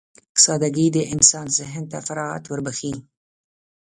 سادهګي د انسان ذهن ته فراغت وربښي.